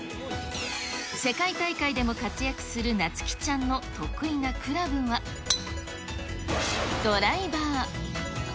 世界大会でも活躍するなつ希ちゃんの得意なクラブは、ドライバー。